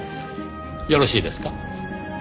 よろしいですか？